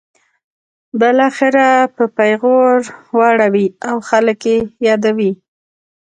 بالاخره په پیغور واړوي او خلک یې یادوي.